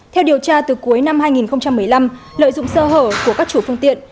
theo điều tra từ cuối năm hai nghìn một mươi năm lợi dụng sơ hở của các chủ phương tiện